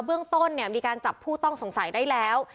เบื้องต้นเนี่ยมีการจับผู้ต้องสงสัยได้แล้ว